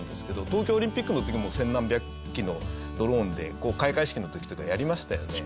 東京オリンピックの時も千何百機のドローンで開会式の時とかやりましたよね。